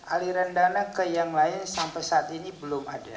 aliran dana ke yang lain sampai saat ini belum ada